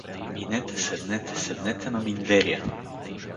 Минете, седнете, седнете на миндеря.